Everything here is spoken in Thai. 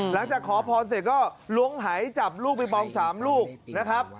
หลังจากขอพรเสร็จก็ล้วงหายจับลูกปิงปอง๓ลูกนะครับ